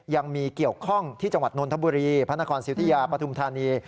ยังมีเกี่ยวข้องที่จังหวัดนนทบุรีพระนครสิทธิยาปฐุมธานี